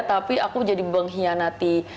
tapi aku jadi mengkhianati